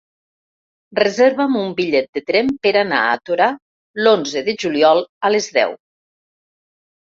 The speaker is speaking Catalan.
Reserva'm un bitllet de tren per anar a Torà l'onze de juliol a les deu.